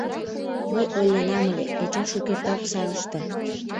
— Мый ойленам ыле, Эчан шукертак сарыште.